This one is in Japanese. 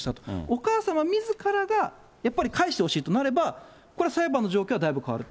お母様みずからが、やっぱり返してほしいとなれば、これ裁判の状況はだいぶ変わる。